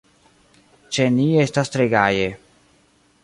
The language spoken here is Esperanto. Ĉe ni estas tre gaje.